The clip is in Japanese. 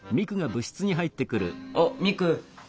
あっミク。